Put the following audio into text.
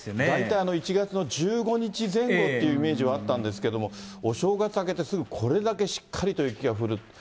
大体１月の１５日前後ってイメージはあったんですけれども、お正月明けて、すぐこれだけしっかりと雪が降る。